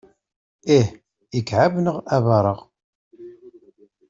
Ih, ikɛeb neɣ abaṛeɣ.